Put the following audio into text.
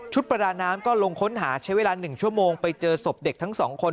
ประดาน้ำก็ลงค้นหาใช้เวลา๑ชั่วโมงไปเจอศพเด็กทั้งสองคน